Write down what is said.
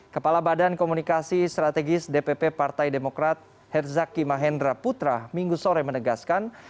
kepala badan komunikasi strategis dpp partai demokrat herzaki mahendra putra minggu sore menegaskan